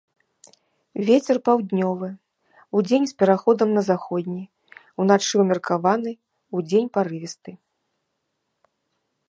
Вецер паўднёвы, удзень з пераходам на заходні, уначы ўмеркаваны, удзень парывісты.